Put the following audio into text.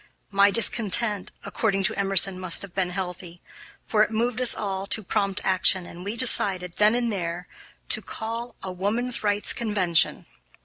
My discontent, according to Emerson, must have been healthy, for it moved us all to prompt action, and we decided, then and there, to call a "Woman's Rights Convention."